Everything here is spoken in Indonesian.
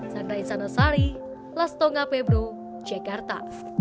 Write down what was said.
sandra insanasari lastonga pebro jakarta